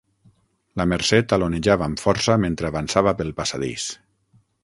La Mercè talonejava amb força mentre avançava pel passadís.